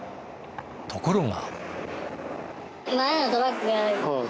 ところが。